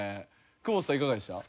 久保田さんいかがでした？